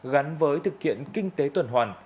gắn với thực kiện kinh tế tuần hoàn